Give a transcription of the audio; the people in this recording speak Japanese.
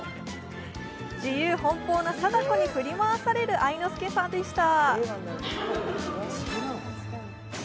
自由奔放な貞子に振り回される愛之助さんでした。